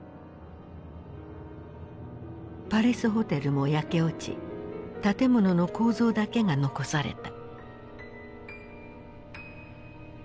パレスホテルも焼け落ち建物の構造だけが残された。